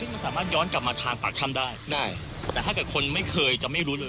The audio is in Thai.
มันสามารถย้อนกลับมาทางปากถ้ำได้ได้แต่ถ้าเกิดคนไม่เคยจะไม่รู้เลย